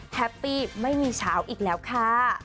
แฮปปี้ไม่มีเช้าอีกแล้วค่ะ